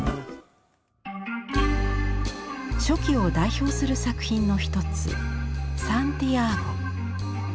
初期を代表する作品の一つ「サンティアーゴ」。